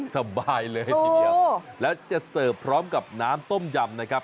สบายเลยทีเดียวแล้วจะเสิร์ฟพร้อมกับน้ำต้มยำนะครับ